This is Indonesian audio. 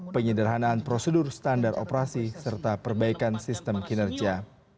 penyederhanaan prosedur standar operasi serta perbaikan sistem kinerja